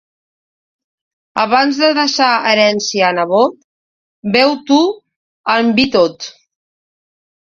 Abans de deixar herència a nebot, beu-t'ho en vi tot.